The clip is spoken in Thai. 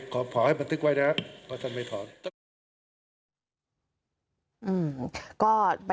ขอให้บันทึกไว้นะครับ